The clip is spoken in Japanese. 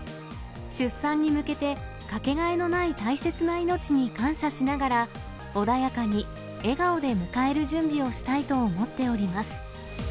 出産に向けて、掛けがえのない大切な命に感謝しながら、穏やかに笑顔で迎える準備をしたいと思っております。